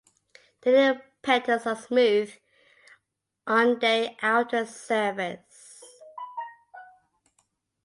The inner petals are smooth on their outer surface.